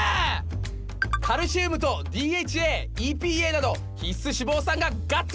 カルシウムとＤＨＡ・ＥＰＡなど必須脂肪酸がガッツリ！